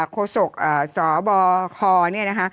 โศกสบคเนี่ยนะคะ